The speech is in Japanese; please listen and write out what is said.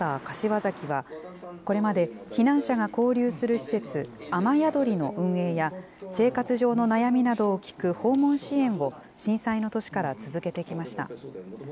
柏崎は、これまで避難者が交流する施設、あまやどりの運営や、生活上の悩みなどを聞く、訪問支援を震災の年から続けてきました。